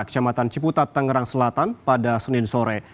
kecamatan ciputat tangerang selatan pada senin sore